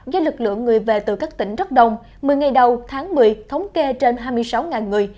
ghi lực lượng người về từ các tỉnh rất đông một mươi ngày đầu tháng một mươi thống kê trên hai mươi sáu người